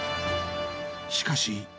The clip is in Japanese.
しかし。